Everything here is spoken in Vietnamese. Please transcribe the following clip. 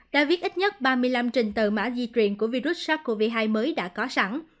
đã viết ít nhất ba mươi năm trình tờ mã di chuyển của virus sars cov hai mới đã có sẵn